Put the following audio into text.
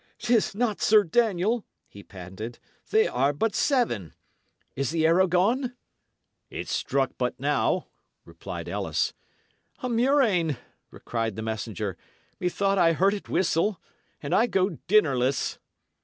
"'Tis not Sir Daniel!" he panted. "They are but seven. Is the arrow gone?" "It struck but now," replied Ellis. "A murrain!" cried the messenger. "Methought I heard it whistle. And I go dinnerless!"